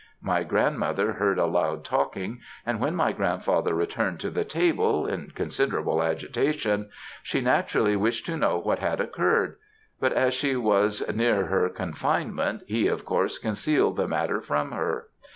My grandmother heard a loud talking, and when my grandfather returned to the table in considerable agitation, she naturally wished to know what had occurred, but as she was near her confinement he of course concealed the matter from her.